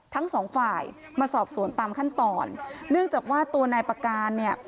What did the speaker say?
ทั้งสองฝ่ายมาสอบสวนตามขั้นตอนเนื่องจากว่าตัวนายประการเนี่ย